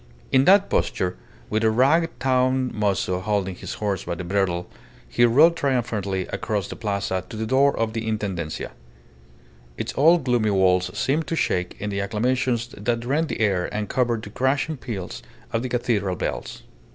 In that posture, with a ragged town mozo holding his horse by the bridle, he rode triumphantly across the Plaza to the door of the Intendencia. Its old gloomy walls seemed to shake in the acclamations that rent the air and covered the crashing peals of the cathedral bells.